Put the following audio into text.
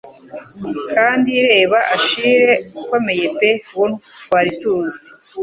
Kandi reba Achille ukomeye pe uwo twari tuzi.